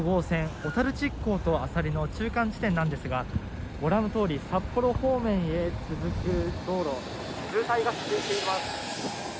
小樽築港と朝里の中間地点なんですがご覧のとおり札幌方面へ続く道路は渋滞が続いています。